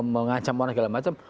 mengacam orang segala macam